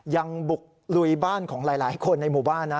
ยังบุกลุยบ้านของหลายคนในหมู่บ้านนะ